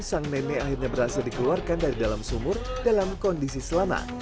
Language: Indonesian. sang nenek akhirnya berhasil dikeluarkan dari dalam sumur dalam kondisi selamat